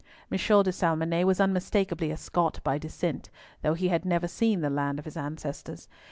M. de Salmonnet was unmistakably a Scot by descent, though he had never seen the land of his ancestors.